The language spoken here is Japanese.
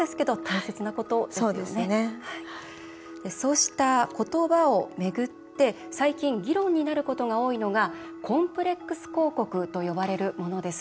そうした言葉を巡って最近、議論になることが多いのがコンプレックス広告と呼ばれるものです。